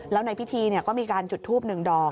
แล้วในพิธีก็มีการจุดทูป๑ดอก